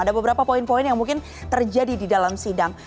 ada beberapa poin poin yang mungkin terjadi di dalam sidang